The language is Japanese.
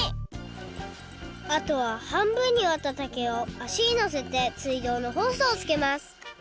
あとは半分にわった竹をあしにのせてすいどうのホースをつけます！